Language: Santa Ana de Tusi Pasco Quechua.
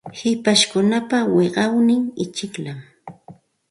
Hipashkunapa wiqawnin ichikllam.